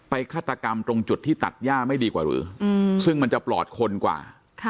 ฆาตกรรมตรงจุดที่ตัดย่าไม่ดีกว่าหรือซึ่งมันจะปลอดคนกว่า